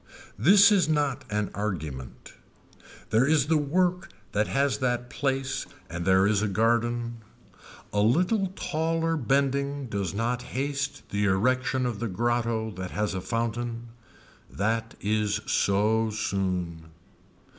This is not an argument. There is the work that has that place and there is a garden. A little taller bending does not haste the erection of the grotto that has a fountain. That is so soon.